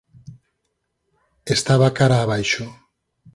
Estaba cara abaixo.